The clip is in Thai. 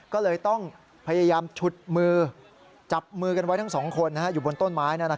ก็เลยต้องพยายามฉุดมือจับมือกันไว้ทั้งสองคนอยู่บนต้นไม้